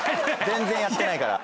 全然やってないから。